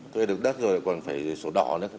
thuê được đất rồi còn phải sổ đỏ